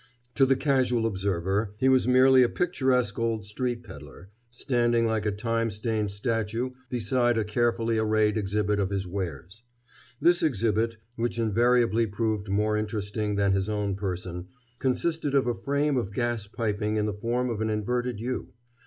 To the casual observer he was merely a picturesque old street peddler, standing like a time stained statue beside a carefully arrayed exhibit of his wares. This exhibit, which invariably proved more interesting than his own person, consisted of a frame of gas piping in the form of an inverted U.